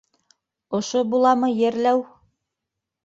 - Ошо буламы ерләү?!